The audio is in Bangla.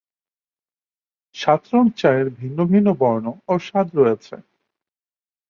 সাত রং চায়ের ভিন্ন ভিন্ন বর্ণ এবং স্বাদ রয়েছে।